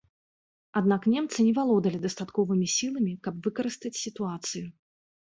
Аднак немцы не валодалі дастатковымі сіламі, каб выкарыстаць сітуацыю.